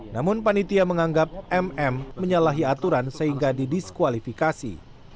namun panitia menganggap mm menyalahi aturan sehingga didiskualifikasi